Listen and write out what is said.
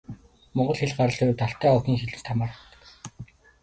Монгол хэл гарлын хувьд Алтай овгийн хэлэнд хамаардаг.